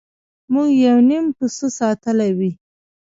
موږ یو نیم پسه ساتلی وي.